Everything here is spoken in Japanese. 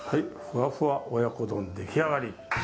ふわふわ親子丼出来上がり」